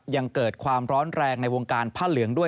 ยังเกิดความร้อนแรงในวงการผ้าเหลืองด้วย